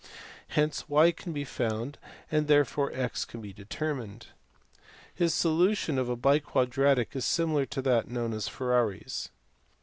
Hence y can be found, and therefore x can be determined. His solution of a biquadratic is similar to that known as Ferrari s.